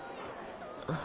あ。